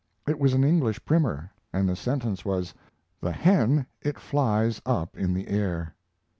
It was an English primer, and the sentence was: "The hen, it flies up in the air."